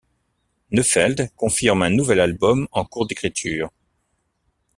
Neufeld confirme un nouvel album en cours d'écriture.